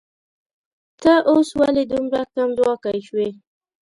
ته اوس ولې دومره کمځواکی شوې